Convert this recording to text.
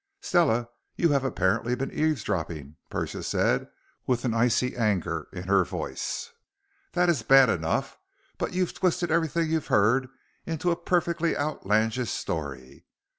"Stella, you have apparently been eavesdropping!" Persia said with an icy anger in her voice. "That is bad enough. But you've twisted everything you heard into a perfectly outlandish story.